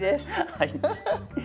はい。